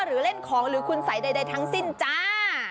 หรือเล่นของหรือคุณสัยใดทั้งสิ้นจ้า